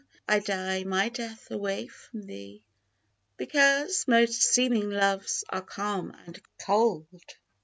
"I die my death away from thee !" Because most seeming loves are calm and cold.